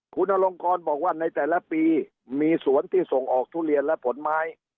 คุณอลงกรบอกว่าในแต่ละปีมีสวนที่ส่งออกทุเรียนและผลไม้